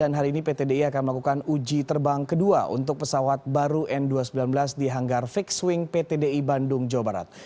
dan hari ini ptdi akan melakukan uji terbang kedua untuk pesawat baru n dua ratus sembilan belas di hanggar fixed wing ptdi bandung jawa barat